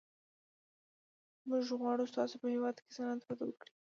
موږ غواړو ستاسو په هېواد کې صنعت وده وکړي